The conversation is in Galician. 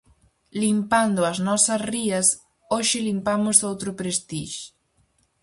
Limpando as nosas rías: hoxe limpamos outro "Prestixe".